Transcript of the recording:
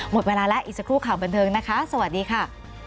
หมดเวลาแล้วอีกสักครู่ข่าวบันเทิงนะคะสวัสดีค่ะ